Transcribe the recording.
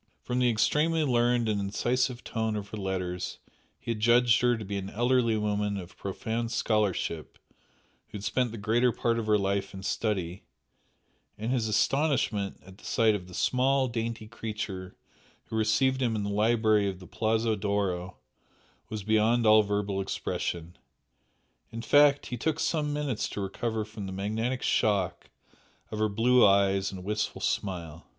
From the extremely learned and incisive tone of her letters he had judged her to be an elderly woman of profound scholarship who had spent the greater part of her life in study, and his astonishment at the sight of the small, dainty creature who received him in the library of the Palazzo d'Oro was beyond all verbal expression, in fact, he took some minutes to recover from the magnetic "shock" of her blue eyes and wistful smile.